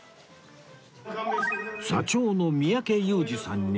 座長の三宅裕司さんに